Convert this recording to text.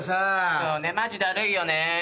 そうねマジダルいよね。